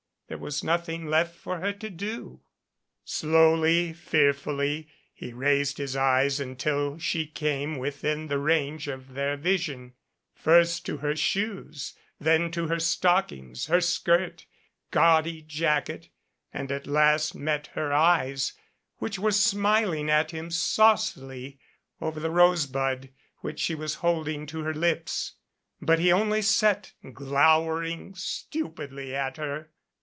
There was nothing left for her to do. Slowly, fearfully, he raised his eyes until she came within the range of their vision, first to her shoes, then to her stockings, her skirt, gaudy jacket and at last met her eyes, which were smiling at him saucily over the rose bud which she was holding to her lips. But he only sat glowering stupidly at her.